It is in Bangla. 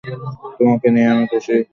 তোমাকে নিয়ে আমি খুশি।